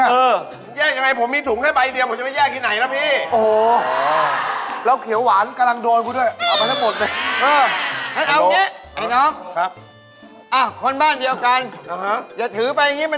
แยกยังไงผมมีถุงให้ใบเดียวผมจะแยกไหนดีน่ะพี่